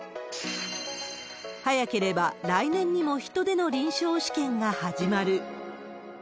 早ければ来年にもヒトでの臨床試験が始まる。